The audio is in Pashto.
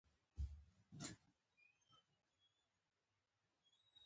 پکتيا غرونه په ژمی کی واورو پوښلي وی